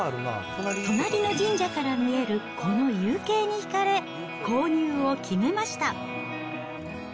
隣の神社から見えるこの夕景に引かれ、購入を決めました。